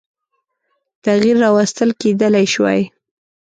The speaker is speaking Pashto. تغییر راوستل کېدلای شوای.